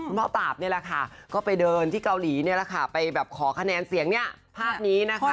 คุณพ่อปราบก็ไปเดินที่เกาหลีไปขอคะแนะเสียงภาพนี้นะคะ